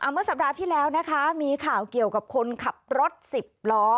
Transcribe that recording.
เมื่อสัปดาห์ที่แล้วนะคะมีข่าวเกี่ยวกับคนขับรถ๑๐ล้อ